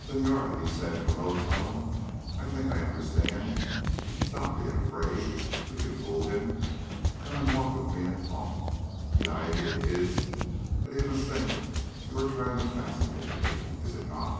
"Senhora," he said in a low tone, "I think I understand. Stop being afraid. We can fool him. Come and walk with me and talk. The idea is that he must think you are trying to fascinate me, is it not?"